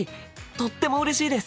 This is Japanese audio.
とってもうれしいです！